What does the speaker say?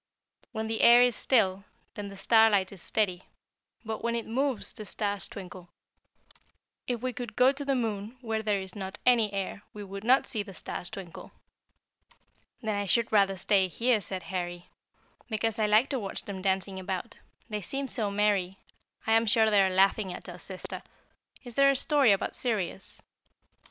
When the air is still then the starlight is steady, but when it moves the stars twinkle. If we could go to the moon, where there is not any air, we would not see the stars twinkle." "Then I should rather stay here," said Harry, "because I like to watch them dancing about. They seem so merry, I am sure they are laughing at us, sister. Is there a story about Sirius?"